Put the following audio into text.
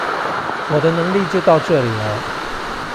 我的能力就到這裡了